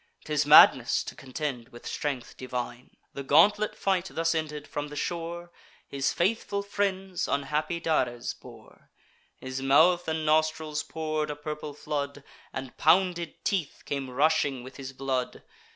'Tis madness to contend with strength divine." The gauntlet fight thus ended, from the shore His faithful friends unhappy Dares bore: His mouth and nostrils pour'd a purple flood, And pounded teeth came rushing with his blood.